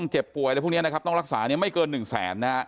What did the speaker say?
เจ็บป่วยต้องรักษาไม่เกิน๑๐๐๐๐๐บาท